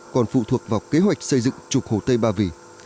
còn phụ thuộc vào kế hoạch xây dựng trục hồ tây ba vì